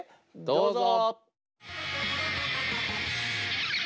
どうぞ！